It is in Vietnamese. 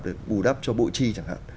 để bù đắp cho bộ chi chẳng hạn